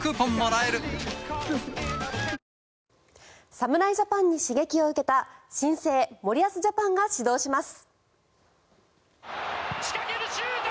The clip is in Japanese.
侍ジャパンに刺激を受けた新生森保ジャパンが始動します。